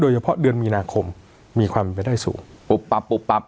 เฉพาะเดือนมีนาคมมีความเป็นไปได้สูงปุ๊บปับปุ๊บปับ